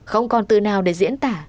không còn từ nào để diễn tả